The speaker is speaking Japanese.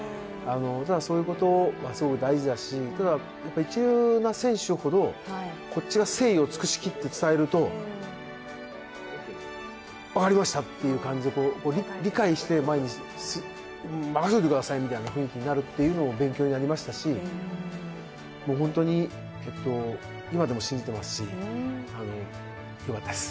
ただそういうことはすごく大事だしただ、一流の選手ほど、こっちが誠意を尽くしきって伝えると、分かりましたっていう感じで理解して前に、任せてくださいっていう雰囲気になるっていうのも勉強になりましたし本当に今でも信じていますし、よかったです。